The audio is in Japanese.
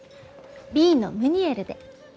Ｂのムニエルで。